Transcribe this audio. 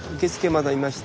まだいまして。